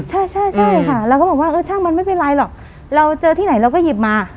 ใช่ใช่ค่ะเราก็บอกว่าเออช่างมันไม่เป็นไรหรอกเราเจอที่ไหนเราก็หยิบมา